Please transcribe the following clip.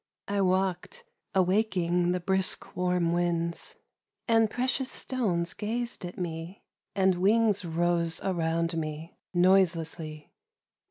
I walked, awaking the brisk warm winds ; and precious stones gazed at me, and wings rose around me noiselessly.